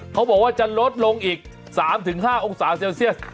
เขาบอกว่าจะลดลงอีก๓๕องศาเซลเซียส